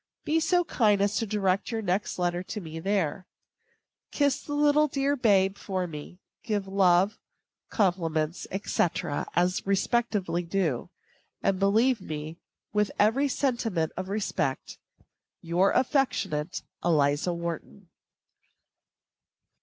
Be so kind as to direct your next letter to me there. Kiss the dear little babe for me. Give love, compliments, &c., as respectively due; and believe me, with every sentiment of respect, your affectionate ELIZA WHARTON.